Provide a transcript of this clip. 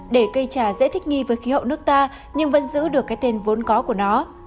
để cây trà dễ thích nghi với khí hậu nước ta nhưng vẫn giữ được cái tên vốn có của nó